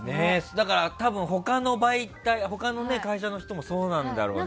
だから多分他の会社の人もそうなんだろうね。